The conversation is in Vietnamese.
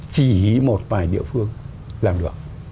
chỉ một bài địa phương làm được